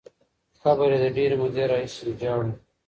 قبر یې له ډېرې مودې راهیسې ویجاړ وو.